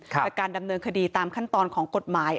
แต่การดำเนินคดีตามขั้นตอนของกฎหมาย